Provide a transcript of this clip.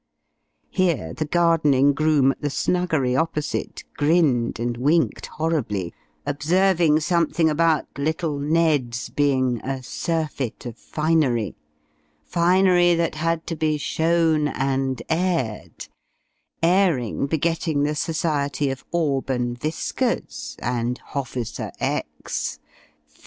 Here the gardening groom at the "Snuggery," opposite, grinned and winked horribly, observing something about little Ned's being a "surfeit of finery" finery that had to be shown and aired, airing begetting the society of aubun viskers and hofficer X, 50!